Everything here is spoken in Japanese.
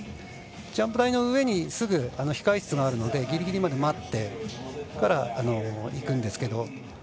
ジャンプ台の上にすぐ控え室があるのでギリギリまで待ってからいくんですけど。